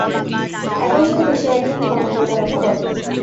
একই সাথে সে একজন ধর্মপ্রচারকও বটে।